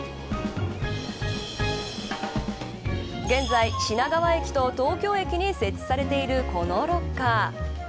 現在、品川駅と東京駅に設置されているこのロッカー。